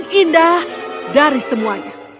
paling indah dari semuanya